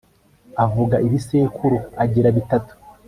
avuga ibisekuru agira bitatu